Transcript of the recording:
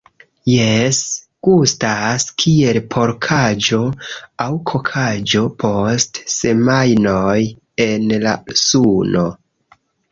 Jes, gustas kiel porkaĵo aŭ kokaĵo post semajnoj en la suno